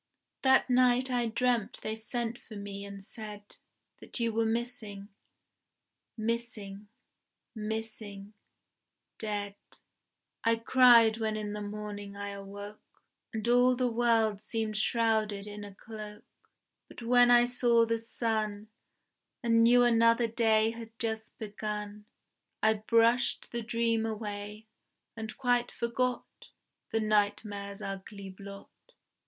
That night I dreamt they sent for me and said That you were missing, "missing, missing dead": I cried when in the morning I awoke, And all the world seemed shrouded in a cloak; But when I saw the sun, And knew another day had just begun, I brushed the dream away, and quite forgot The nightmare's ugly blot.